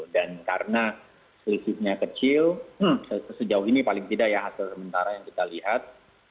dan karena skripsinya kecil sejauh ini paling tidak ya hasil sementara yang kita lihat